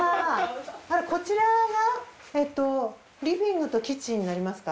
あらこちらがリビングとキッチンになりますか？